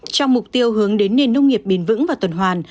trong mục tiêu hướng đến nền nông nghiệp bền vững và tuần hoàn